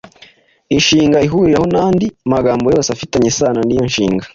inshinga ihuriraho n’andi magambo yose afitanye isano n’iyo nshinga.